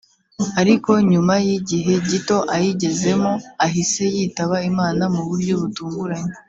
ariko nyuma y’igihe gito ayigezemo ahise yitaba Imana mu buryo butunguranye